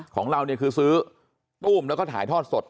ของเราเนี่ยคือซื้อตู้มแล้วก็ถ่ายทอดสด